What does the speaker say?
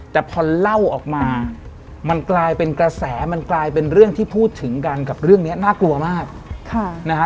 แต่พอเล่าออกมามันกลายเป็นกระแสมันกลายเป็นเรื่องที่พูดถึงกันกับเรื่องนี้น่ากลัวมากนะฮะ